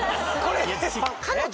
彼女